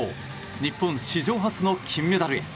日本史上初の金メダルへ。